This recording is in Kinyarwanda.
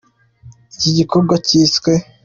Iki gikorwa cyiswe